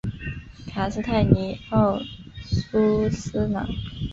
卡斯泰尼奥苏斯朗。